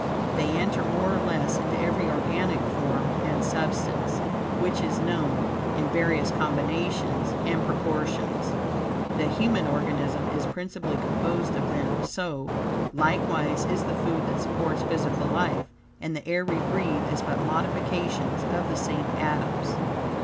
They enter more or less into every organic form and substance, which is known, in various combinations and proportions. The human organism is principally composed of them; so, likewise, is the food that supports physical life, and the air we breathe is but modifications of the same atoms.